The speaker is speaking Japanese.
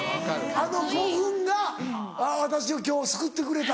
あの５分が私を今日救ってくれた。